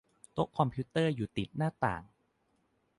โต๊ะคอมพิวเตอร์อยู่ติดหน้าต่าง